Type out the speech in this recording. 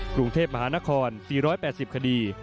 กรุงเทพมหานคร๔๘๐คดี